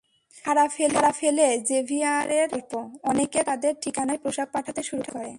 সাড়া ফেলে জেভিয়ারের গল্প, অনেকে তাদের ঠিকানায় পোশাক পাঠাতে শুরু করে।